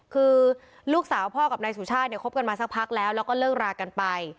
คือลูกสาวพ่อกับนายสุชาติเนี่ยคบกันมาสักพักแล้วแล้วก็เลิกรากันไป